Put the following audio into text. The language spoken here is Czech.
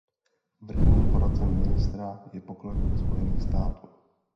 Vrchním poradcem ministra je pokladník Spojených států.